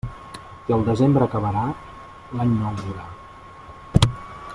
Qui el desembre acabarà, l'Any Nou vorà.